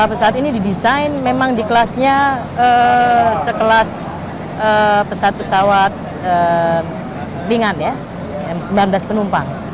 pesawat ini didesain memang di kelasnya sekelas pesawat pesawat ringan ya sembilan belas penumpang